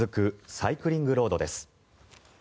サイクリングロードです。